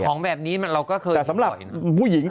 แต่สำหรับผู้หญิง